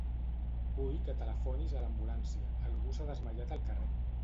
Vull que telefonis a l'ambulància; algú s'ha desmaiat al carrer.